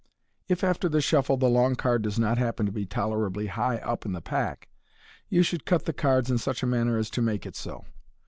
If after the shuffle the long card does not happen to be tolerably high up in the pack, you should cut the cards in such manner as to make it so.